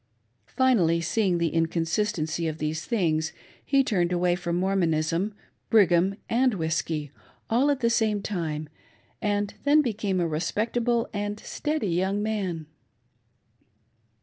Finally, seeing the inconsistency of these things, he turned away from Mormonism, Brigham, and whiskey, all at the same time, and then became a respectable and steady young man.